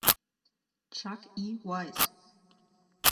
Chuck E. Weiss.